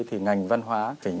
thì ngành văn hóa phải nhận ra